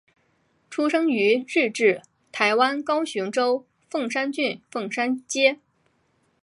出生于日治台湾高雄州凤山郡凤山街。